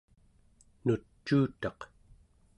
nucuutaq